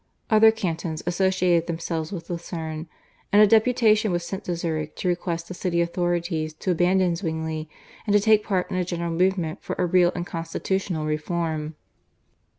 Other cantons associated themselves with Lucerne, and a deputation was sent to Zurich to request the city authorities to abandon Zwingli and to take part in a general movement for a real and constitutional reform.